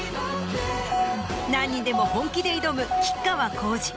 何にでも本気で挑む吉川晃司。